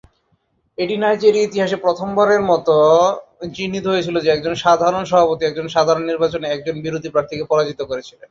এটি নাইজেরিয়ার ইতিহাসে প্রথমবারের মত চিহ্নিত হয়েছিল যে একজন সাধারণ সভাপতি একজন সাধারণ নির্বাচনে একজন বিরোধী প্রার্থীকে পরাজিত করেছিলেন।